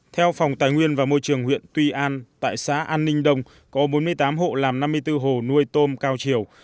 theo phòng tài nguyên và môi trường huyện tuy an tại xã an ninh đông có bốn mươi tám hộ làm năm mươi bốn hồ nuôi tôm cao chiều